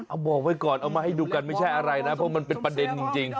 เอาบอกไว้ก่อนเอามาให้ดูกันไม่ใช่อะไรนะเพราะมันเป็นประเด็นจริง